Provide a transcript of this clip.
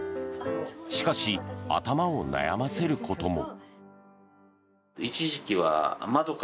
しかし、頭を悩ませることも。